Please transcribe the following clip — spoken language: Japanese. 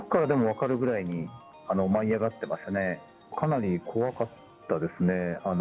かなり怖かったですね。